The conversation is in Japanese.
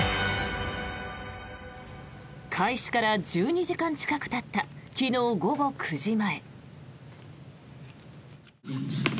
開始から１２時間近くたった昨日午後９時前。